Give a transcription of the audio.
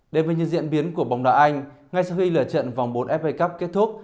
đến với những diễn biến của bóng đá anh ngay sau khi lửa trận vòng bốn fa cup kết thúc